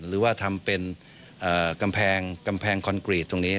หรือว่าทำเป็นกำแพงกำแพงคอนกรีตตรงนี้